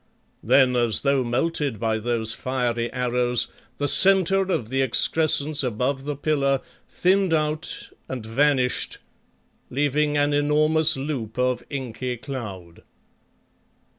Then as though melted by those fiery arrows, the centre of the excrescence above the pillar thinned out and vanished, leaving an enormous loop of inky cloud.